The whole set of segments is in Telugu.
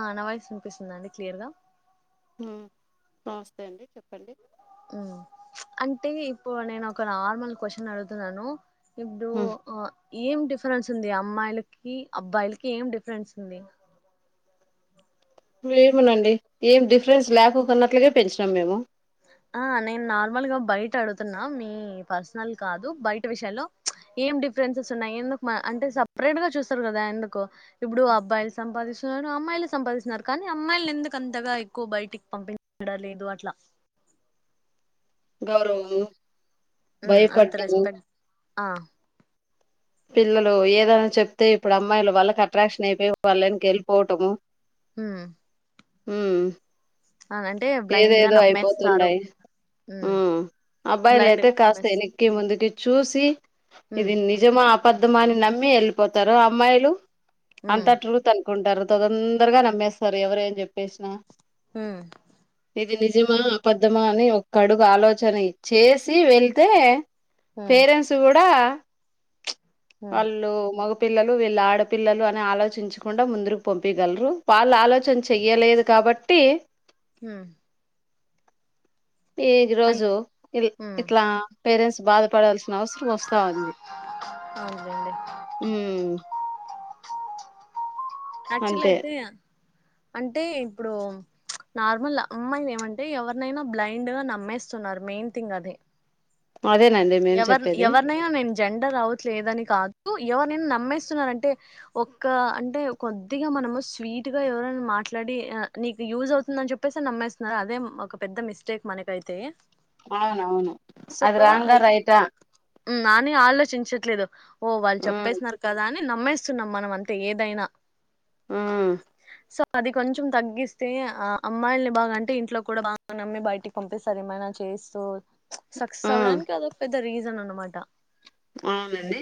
ఆ నావాయిస్ వినిపిస్తుందాండి క్లియర్గా.? ! హ్మ్ నమస్తే అండి. చెప్పండి. హ్మ్. అంటే ఇప్పుడు నేనొక నార్మల్ క్వశ్చన్ అడుగుతున్నాను. ఇప్డు ఆ.. ఏం డిఫరెన్స్ ఉంది అమ్మాయిలకి, అబ్బాయిల్కి? ఏం డిఫరెన్స్ ఉంది.? ఏమెనండి, ఏం డిఫ్రెన్స్ లేకొకున్నట్లుగే పెంచినాం మేము. ఆ నేన్ నార్మల్ గా బయట అడుగుతున్నా మీ పర్సనల్ కాదు బయట విషయాలో ప్చ్ ఏం డిఫరెన్సెస్ ఉన్నాయి ఎందుకు మా అంటే సపరేట్ గా చూస్తారు గదా ఎందుకో ఇప్పుడు అబ్బాయిలు సంపాదిస్తున్నారు, అమ్మాయిలు సంపాదిస్తున్నారు కానీ అమ్మాయిల్ని ఎందుకు అంతగా ఎక్కువ బయటికి పంపించడం లేదు అట్లా. గౌరవము. హ్మ్ అంత భయపడ్డము రెస్పెక్ట్. ఆ. పిల్లలు, ఏదైనా చెప్తే ఇప్పుడు అమ్మాయిలు వాళ్ళకట్రాక్షనైపోయి వాళెన్క ఎళ్ళ్పోటము. హ్మ్. ఊ. బ్లైండ్ గా ఏదేదో నమ్మేస్తారు అయిపోతుండయి. ఉమ్ అబ్బాయిలు బ్లైండ్ అయితే గా కాస్త నమ్మేస్ ఎనక్కి ముందుకి. చూసి. ఉమ్ ఇది నిజమా. ! పద్ధుమాని నమ్మి ఎళ్ళిపోతారు అమ్మాయిలు. ఉమ్ అంతా ట్రూత్‌ అనుకుంటారు. తొతోందరగా నమ్మేస్తారు ఎవరెం జెప్పేస్నా. ఊ.. ఇది నిజమా, అపద్ధమా అని ఒక్క అడుగు ఆలోచన ఇచ్చేసి వెళ్తే.. ఉమ్ పేరెంసు గూడా. ఉమ్ వాళ్ళు మొగ.. పిల్లలు వీళ్ళ ఆడపిల్లలు అని ఆలోచించకుండా ముంద్రుకు పంపీగల్రు వాళ్ళు ఆలో.. చన్ చెయ్యలేదు కాబట్టి. ఉమ్ అన్ ఈగ్రోజు ఇది ఉమ్ ఇట్లా. పేరేంస్సు బాధ. పడాల్సిన అవసరం వస్తా ఉంది అవునులేండి ఆక్చుల్ అంతే అయితే అంటే ఇప్పుడు నార్మల్ అమ్మాయిలు ఏమంటే ఎవరినైనా బ్లైండ్ గా నమ్మేస్తున్నారు మెయిన్ థింగ్ అదే అదేనండి మేం ఎవర్ చెప్పేది ఎవరినైనా నేను జెండర్ అవట్లేదని కాదు ఎవరనైనా నమ్మేస్తున్నారంటే ఒక్క అంటే కొద్దిగా మనము స్వీట్ గా ఎవరైనా మాట్లాడి నీకు యూజ్ అవుతుందని చెప్పేస్తే నమ్మేస్తున్నారు అదే మకు పెద్ద మిస్టేక్ మనకైతే అవునవును అది రాంగ రైటా హ్ నాని ఆలోచించట్లేదు ఓ వాళ్ళు ఉమ్ చెప్పేసిన్నారు కదా అని నమ్మేస్తున్నాం మనం అంతే ఏదైనా ఆ సో అది కొంచెం తగ్గిస్తే ఆ అమ్మాయిల్ని బాగా అంటే ఇంట్లో కూడా బాగు నమ్మి బయటికి పంపిస్తారు ఏమైనా చేస్తూ సక్సెస్ ఉమ్ అవడానికి అదొ పె రీజన్ అన్నమాట మట అవునండి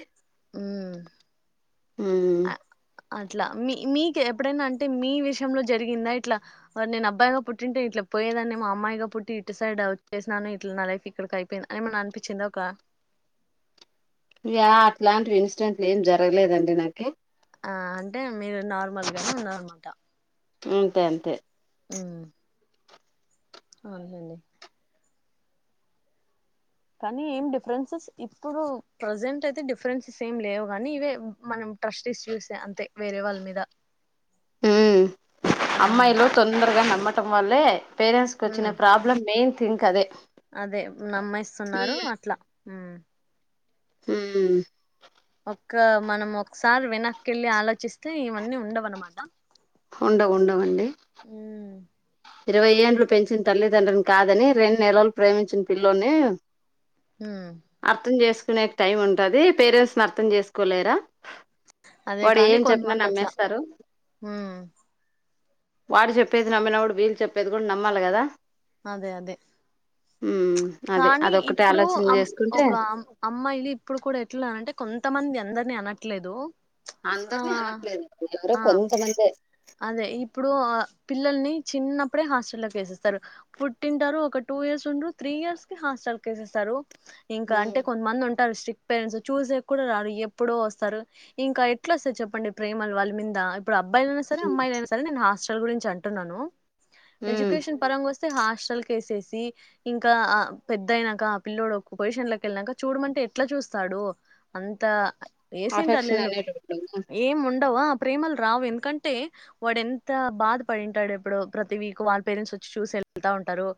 హు ఉమ్ అట్లా మీ మీకు ఎప్పుడైనా అంటే మీ విషయంలో జరిగిందా ఎట్లా నేను అబ్బాయిగా పుట్టింటే ఇట్లా పోయేదని మా అమ్మాయిగా పుట్టి ఈ డిసైడ్అవు చేసినాను ఇట్లా నా లైఫ్ ఇక్కడికి అయిపోయింది ఏమైనా అనిపించిందా ఒక ఇ అట్లాంటి ఇన్స్డెంట్లు ఏం జరగలేదండి నాకి ఆ అంటే మీరు నార్మల్గానే ఉన్నారన్నమాట అంతే అంతే హు అవునండి కానీ ఏం డిఫరెన్సెస్ ఇప్పుడు ప్రజెంట్ అయితే డిఫరెన్సెస్ ఏం లేవు కానీ ఇవే మనం ట్రస్ట్ ఇషూసే అంతే వేరే వాళ్ళ మీద హు ఉమ్ అమ్మాయిలు తొందరగా నమ్ నమ్మటం వల్లనే పేరెంట్స్ కు ఉమ్ వచ్చిన ప్రాబ్లం మెయిన్ ఇంకా అదే అదే నమ్మయిస్తున్నారు అట్లా హు ఉహ్మ్ ఒక్క మనం ఒకసారి వెనక్కిళ్ళి ఆలోచిస్తే ఇవన్నీ ఉండవ అనమాట ఉండవు ఉండవండి ఉమ్ ఇరవై ఏండ్లు పెంచిన తల్లిదండ్రుని కాదని రెండు నెలలు ప్రేమించిన పిల్లోని ఉమ్ అర్థం చేసు నేక టైం ఉంటుంది పేరెంట్స్ ని అర్థం చేసుకోలేరా అదే వాడు కాని ఏం చెప్పినా కొంతమంది అట్లా నమ్మేస్తారు హు వాడు చెప్పేది నమ్మినాడు వీలు చెప్పేది కూడా నమ్మాలి కదా అదే అదే ఉమ్ అదే కానీ అదొక్కటి ఇప్పుడు ఆలోచన అమ్ చేసుకుంటే ఒక అమ్మాయిలు ఇప్పుడు కూడా ఎట్లాన అంటే కొంతమంది అందరిని అన చెట్లేదు అందరినీ అనట్లేదు ఎవరో కొంతమంది అదే ఇప్పుడు పిల్లల్ని చిన్నప్పుడే హాస్టల్ వేసేస్తారు పుట్టింటారు ఒక టూ ఇయర్స్ ఉండ త్రీ ఇయర్స్ కి హాస్టల్ వేసేస్తారు ఇంకా ఉమ్ అంటే కొంతమంది ఉంటారు శ పేరెంట్స్ చూసే కూడా రారు ఎప్పుడో వస్తారు ఇంకా ఎట్లా వస్తాయి చెప్పండి ప్రేమలు వాళ్ళ మీద ఇప్పుడు అబ్బాయి సరే అమ్మాయి సరే నేను హోస్ట్ గురించి అంటున్నాను ఉమ్ ఎజ్యుకేషన్ పరంగస్తు హాస్టల్ కి వేసేసి ఇంకా పెద్దయినాక ఆ పిల్ల్లోడు పొజిషన్ లోకి వెళ్ళినాక చూడమంటే ఎట్లా చూస్తాడు అంత వేసేంటారు అఫెక్షన్ లెండి అనేటోళ్ళు ఏం ఉండ ప్రేమల్ రావు ఎంతకంటే అంటే వాడు ఎంత బాధ పడింటాడు ఎప్పుడు ప్రతి వీక్ వాళ్ళ పేరెంట్స్ వచ్చి చూసి వెళ్తా ఉంటారు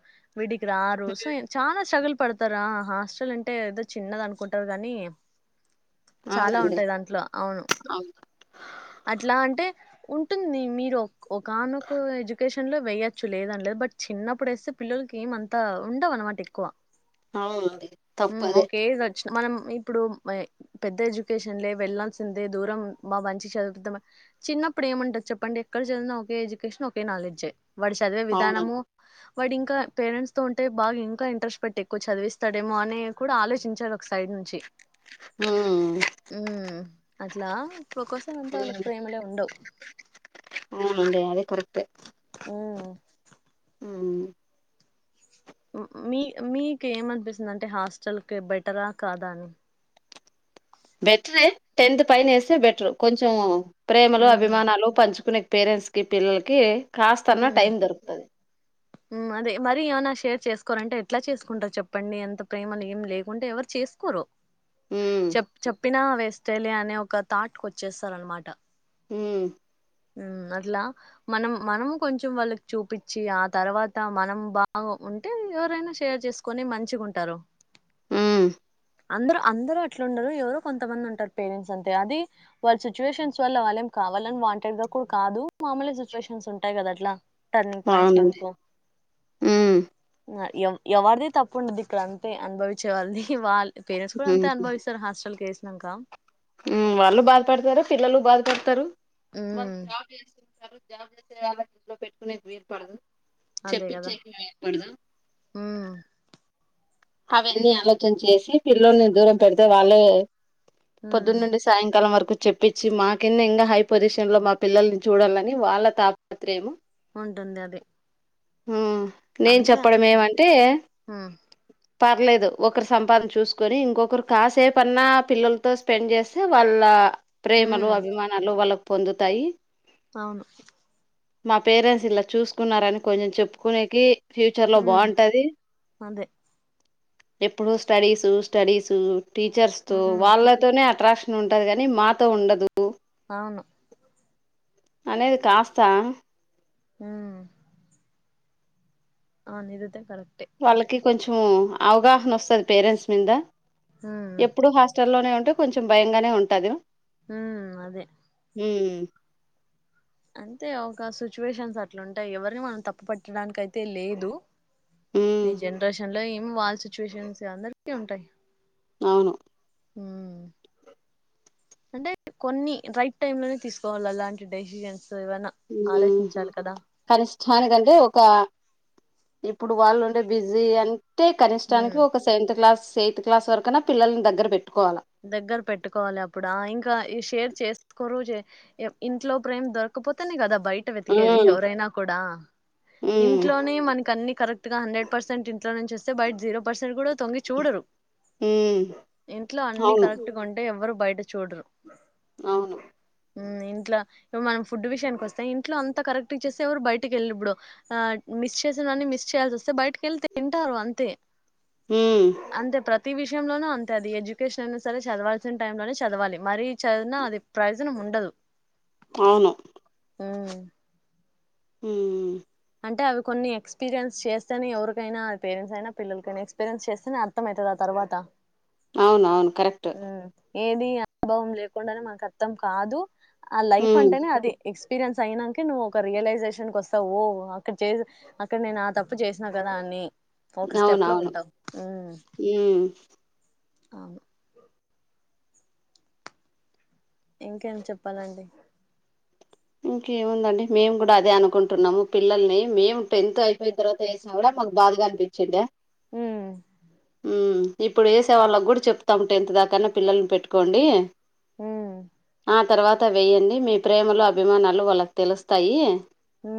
విడికి రారు సో చాలా స్ట్రగుల్ పడతారా హాస్టల్ అంటే ఏదో చిన్నగా అనుకుంటారు కాని చాలా అవునండి ఉంటాయి దాంట్లో అవును అట్లా అంటే ఉంటుంది మీరు ఒక అనొక ఎడ్యుకేషన్ లో వేయొచ్చు లేదనలేదు బట్ చిన్నప్పుడు వేస్తే పిల్లలకి ఏమ అంతా ఉండవు అనమాట ఎక్కువ అవును అదే ఉమ్ తప్పదే ఒక ఏజ్ మనం ఇప్పుడు పెద్ద ఎడ్యుకేషన్లే వెళ్ళల్సిందే దూరం మా మంచి చదువుతాం చిన్న ఇప్పుడు ఏ ఉంటాది చెప్పండి ఎక్కడ చదివిన ఒక ఎడ్యుకేషన్ ఒకే నాలెడ్జ్ వడి చదివే విధానము అవునండి వాటి ఇంకా పేరెంట్స్ తో ఉంటే బాగా ఇంకా ఇంట్రెస్ట్ పెట్టి ఎక్కువ చదివిస్తాడేమో అని కూడా ఆలోచించారు ఒక సైడ్ నుంచి ఉమ్ ఉ అట్లా ఇప్పుడు ఒకసారే అంతా వాళ్ళకి ఉమ్ ప్రేమలే ఉండవు అవునండి అదే కరక్టే ఆ ఉమ్ మీ మీకు ఏమిఅనిపిస్తుంది అంటే హాస్టల్ క బెటరా కాదా అని బెటరే టెన్త్ పైన వేస్తే బెటర్ కొంచెం ప్రేమలు ఉమ్ అభిమానాలు పంచుకునే పేరెంట్స్కి పిల్లలకి కాస్తన్నా ఉమ్ టైమ్ దొరుకుతది అదే మరీ ఏమనా షేర్ చేసుకోరు అంటే ఎట్లా చేసుకుంటారు చెప్పండి ఎంత ప్రేమలు ఏం లేకుంటే ఎవరు చేసుకోరు ఉమ్ చెప్ చెప్పినా వెస్ట్ లే అనే ఒక థాట్కు వచ్చేస్తారూ అనమాట హ ఉ అట్లా మనం మనం కొంచెం వాళ్ళకి చూపించి ఆ తర్వాత మనం బాగా ఉంటే ఎవరైనా షేర్ చేసుకొని మంచిగా ఉంటారు ఆ అందరు అందరుూ అట్లు ఉండరు, ఎవరో కొంతమంది ఉంటారు పేరెంట్స్ అంతే, అది వాళ్ళ సిచ్యువేషన్స్ వల్ల వాళ్ళ ఏం కావాలని వా డు కాదు మామూలు సిచుయేషన్స్ ఉంటాయి కదా అట్లా టర్నింగ్ పయింట్స్ అవునండి మనకు ఉమ్ అ ఎం ఎవరిది తప్పు ఉండదు ఇక్కడ అంతే అనుభవించే వాళ్ళది వాళ్ పేరెంట్స్ కూడా అంత అభవిస్తారు హాస్టల్ నాకా మ్ వాళ్ళు బాధపడతారు పిల్లలు బాధపడతారు [inaudible] ఉమ్ అరు జా చేస్తే అలా ఇలో పెట్టుకునే బర్ పడదు అదే కదా చెప్పించేకపడదు ఉమ్ అవన్నీ ఆలోచన చేసి పిల్లోని దూరం పెడితే వాళ్ళే ఉమ్ పొద్దున్న నుండి సాయంకాలం వరకు చెప్పించి మా కిన్న ఇంకా హై పొజిషన్ లో మా పిల్లల్ని చూడాలని వాళ్ళ తాపత్రేమ ఉంటుంది అది మ్ నేను అంతే చెప్పడం అంతే ఏమంటే ఉమ్ పర్లేదు ఒకరు సంపాదన చూసుకొని ఇంకొకరు కాసేపన్నా పిల్లలతో స్పెండ్ చేస్తే వాళ్ళ ప్రేమలు ఉమ్ అభిమానాలు వాళ్ళ పొందుతాయి అవును మా పేరెంట్స్ ఇలా చూసుకున్నారని కొంచెం చెప్పుకునేకి ఫ్యూచర్ లో ఉమ్ బాగుంటది అదే ఎప్పుడు స్టడీసు స్టడీసు టీచర్స్ తో ఉమ్ వాళ్ళతోనే అట్రాక్షన్ ఉంటది గానీ మాతో ఉండదు అవును అనేది కాస్తా హ్మ్ అవును ఇదైతే కరెక్ట్ వాళ్ళకి కొంచం అవగాహన వస్తది పేరెంట్స్ మీద ఉమ్ ఎప్పుడు హాస్టల్ లోనే ఉంటే కొంచెం భయంగానే ఉంటాది హ్మ్ అదే హ్మ్ అంతే ఒక సిచ్యువేషన్స్ అట్లు ఉంటాయి ఎవరిని మనం తప్పు పట్టడానికి అయి తే లేదు ఉమ్ ఈ జనరేషన్ లో యేం ఉమ్ వాళ్ళ సిచ్యువేషన్స్ అందరికీ ఉంటాయ్ అవును హ అంటే కొన్ని రైట్ టైమ్ లోనే తీసుకోవాలి అలాంటి డెసిజన్స్ కానిష్టానికంటే ఒక ఇప్పుడు వాళ్ళు ఉంటే బిజీ అని అే కనిష్టానికి ఉమ్ ఒక సెవెంత్ క్లాస్ ఎయిత్ క్లా వరకునా పిల్లని ద్గ పెట్టి దగ్గర పెట్టుకోవాలి అప్పుడు ఇంకా ఈ షేర్ చేస్త కొ ఇంట్లో ప్రేమ దర్క పోతే గదాబ బయట వెతికేది ఉమ్ ఎవరైనా కూడా ఉమ్ ఇంట్లోనే మనక అన్ని కరెక్ట్ ఇక హండ్రె పర్సెంట్ ఇంట్లో నుంచి వస్తె బయట జీరో పర్సెట్ కూడా తొంగి చూడరు ఉమ్ ఏ అన్ని అవును కరెక్ట్గా ఉంటే ఎవరు బయట చూడరు అవును ఇంట్లో ఇ మనం ఫుడ్ విషయానికి వస్తే ఇంట్లో అంత కరెక్ట్చ్చస్తే ఎవరు బయటకి వెళ్ళ ఇప్పుడు ఆ మిస్ చేసినవన్ని మిస్ చేయాల్సి వస్తే బయటకి వెళ్ితే తింటారు అంతే ఉమ్ అంతే ప్రతి విషయంలోన అంతే అది ఎడ్యు కేషన్ అయినా సరే చదవాల్సిన టై లోనే చదవాలి మరీ చదివినా అది ప్రయోజనం ఉండదు అవును ఆ హ అంటే అవి కొన్ని ఎక్స్పీరియన్స్ చేస్తేనే ఎవరికైనా పేరెంట్స్ అయినా పిల్లలకైనా ఎక్స్పీరియన్స్ చేస్తేనే అర్థమ అవుతుంది ఆ తర్వాత అవునవును కరెక్ట్ ఉమ్. ఏది అనుభవం లేకుండానే మనకు అర్థం కాదు ఆ లైఫ్ ఉమ్ అంటేనే అది ఎ ఎక్స్పీరియన్స్ అయినాక నువ్వు ఒక రియలైజేషన్కి వస్తవు ఓ అక్కడ చే అక్కడ నేను ఆ తప్ తప్పు చేసినా కదా అన్ని ఒక స్టెప్ లో అవునవును ఉంటాం ఉమ్ అవును ఇంకేం చెప్పాలండి ఇంకేముందండి మేము కూడా అదే అనుకుంటున్నాము పిల్లల్ని మేము టెన్త్ అయిపోయిన తర్వాత వేసిన కూడా మాకు బాధగా అనిపించిండి ఉమ్. ఇప్పుడు వేసే వాళ్ళకి కూడా చెప్తాం టెన్త్ దాకాన్నా పిల్లల్ని పెట్టుకోండి హ ఆ తర్వాత వెే్యడి మీ ప్రేమలో అభిమానాలు వాళ్ళకి తెలుస్తాయి హ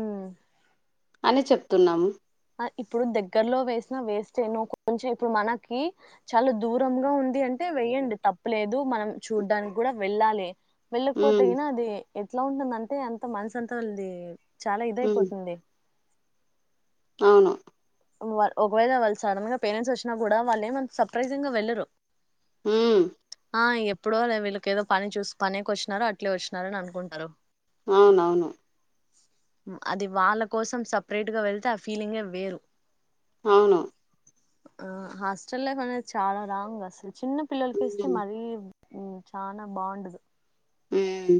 అని చెప్తున్నాము ఇప్పుడు దగ్గరలో వేసినా వేస్ట్ేనుో కొంచెం ఇప్పుడు మనకి చాలా దూరంగా ఉంది అంటే వెే్యండి తప్పలేదు మనం చూడ్డానికి కూడా వెళ్ళాలి వెళ్ళక పోతే ఉమ్ గణ అది ఎట్లా ఉంటుందంటే అంత మనసు అంతా వాళది చాలా ఉమ్ ఇదయిపోతుంది అవును ఒకవేళ వాళ్ళు సడన్గా పేరెంట్స్ వచ్చినా కూడా వాళ్ళేం అంతా సర్ప్రైజింగ్ గా వెళ్ళరు హ్మ్మ్ ఆ ఎప్పుడో వీళ్ళకి ఏదో పని చూసి పనేకి వచ్చినారో అట్లే వచ్చినారని అనుకుంటారు అవునవును అది వాళ్ళ కోసం సపరేట్ గా వెళ్తే ఆ ఫీలింగే వేరు అవును ఆ హాస్టెల్ లైఫ్ అనేది చాలా రాంగ్ అసలు చిన్న పిల్లలకి ఇస్తే ఉమ్ మరీ చానా బాగుండదు మ్మ్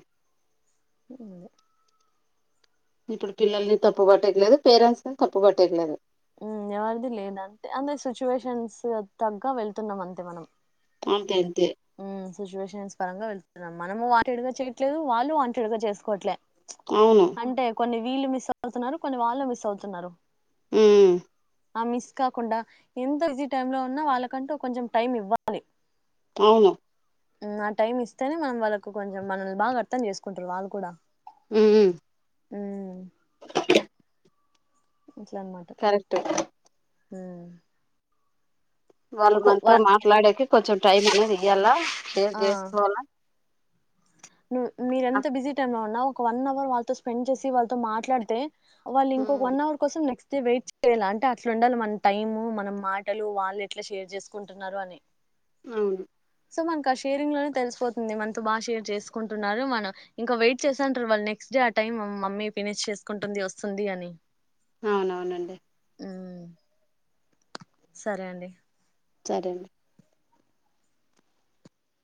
ఇప్పుడు పిల్లల్ని తప్పు పట్టట్లేదు పేరెంట్స్ ని తప్పు పట్టట్లేదు హ్మ్మ్ ఎవరిది లేద అంతే అంటే సిచ్యువేషన్స్ తగ్గ వెళ్తున్నాం అంతే మనం అంతే తే సిచువేషన్ పరంగా వెళ్తున్నాం మనము వాంటెడ్ గా చేయట్లేదు వాళ్ళు వాంటెడ్ గా చేసుకోవట్లేదు అవును అంటే కొన్ని వీళ్ళు మిస్ అవుతున్నారు కొన్ని వాళ్ళు మిస్ అవుతున్నారు హ్మ్మ్ ఆ మిస్ కాకుండా ఎంత ఈజీ టై లో ఉన్నా వాళ్ళకంటూ కొంచెం టైం ఇవ్వాలి అవును ఆ టైమ్ ఇస్తేనే మనం వాళ్ళకు కొంచెం మనల్ని బాగా అర్థం చేసుకుంటారు వాళ్ళు కూడా హ్మ్మ్ హ్మ్మ్ కరెక్ట్ హ్మ్మ్ వాళ్లు మనతో మాట్లాడాకె కొంచెం టైమ్ ఉన్నది ఇయ్యాలా ఏం ఆ చేసుకోవాలా హ్మ్మ్ మీర ఎంత బిజీ టైం లో ఉన్నావు ఒక వన్ అవర్ వాళ్ళతో స్పెండ్ చేసి వాళ్ళతో మాట్లాడితే వాళ్ళు ఇంకొక ఉమ్ వన్ అవర్ కోసం నెక్స్ట్ అయితే వెయిట్ చేయాల అంటే అట్లా ఉండాలి మన టైము మన మాటలు వాళ్ళు ఎట్లా షేర్ చేసుకుంటున్నారు అని అవును సో మన ఆ షేరింగ్ లోనే తెలిసిపోతుంది మనతో బాగా షేర్ చేసు కుంటున్నారు మనం ఇంకా వెయిట్ చేసా అంటారు వాళ్ళు నెక్స్ట్ డే ఆ టైం మమ్మీ ఫినిష్చేసుకుంటుంది వస్తుంది అని అవునవునండి హ్మ్. సరే అండి సరే అండి